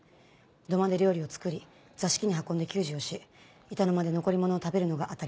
土間で料理を作り座敷に運んで給仕をし板の間で残りものを食べるのが当たり前。